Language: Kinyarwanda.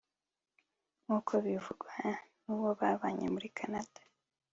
nk’uko bivugwa n’uwo babanye muri Canada